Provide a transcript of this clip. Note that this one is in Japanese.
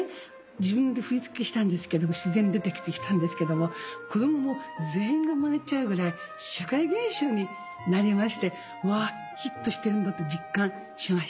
自分で振り付けしたんですけども自然に出てきたんですけども子供も全員がまねちゃうぐらい社会現象になりましてうわヒットしてるんだと実感しました。